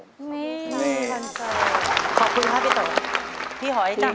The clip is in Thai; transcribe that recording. นี่ขอบคุณค่ะพี่โต๊ะพี่หอยจังนี่